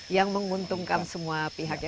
yang menguntungkan semua pihaknya